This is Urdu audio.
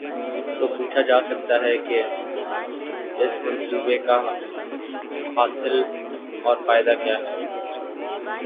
تو پوچھا جا سکتا ہے کہ اس منصوبے کاحاصل اور فائدہ کیا ہے؟